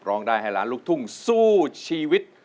ร้องได้ให้ล้านลูกทุ่งสู้ชีวิต